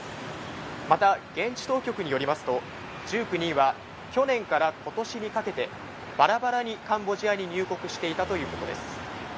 また現地当局によりますと、１９人は去年から今年にかけて、バラバラにカンボジアに入国していたということです。